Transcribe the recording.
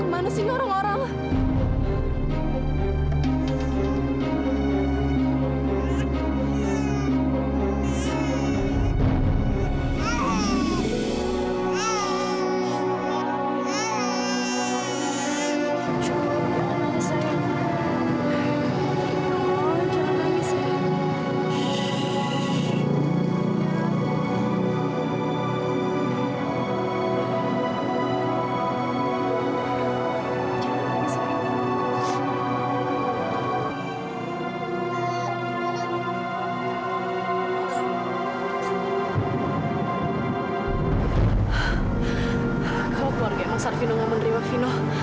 kalau keluarga mansar fino tidak menerima fino